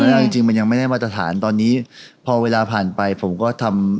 เอาจริงจริงมันยังไม่ได้มาตรฐานตอนนี้พอเวลาผ่านไปผมก็ทำ